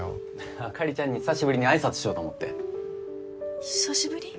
あかりちゃんに久しぶりに挨拶しようと思って久しぶり？